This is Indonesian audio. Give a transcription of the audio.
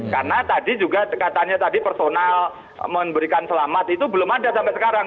karena tadi juga katanya tadi personal memberikan selamat itu belum ada sampai sekarang